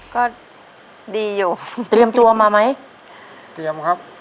ก็ดีอยู่เตรียมตัวมาไหม